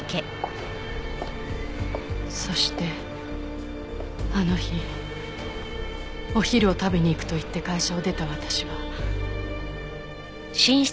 そしてあの日お昼を食べに行くと言って会社を出た私は。